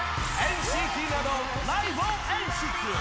ＮＣＴなどライブを演出。